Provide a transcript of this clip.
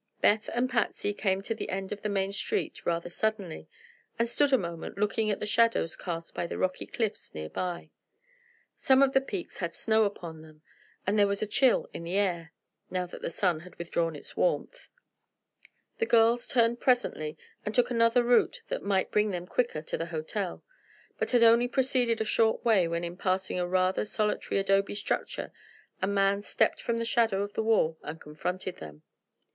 Beth and Patsy came to the end of the main street rather suddenly, and stood a moment looking at the shadows cast by the rocky cliffs near by. Some of the peaks had snow upon them, and there was a chill in the air, now that the sun had withdrawn its warmth. The girls turned presently and took another route that might bring them quicker to the hotel, but had only proceeded a short way when in passing a rather solitary adobe structure a man stepped from the shadow of the wall and confronted them.